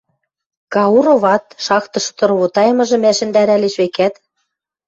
Кауроват шахтышты ровотайымыжым ӓшӹндӓрӓлеш, векӓт.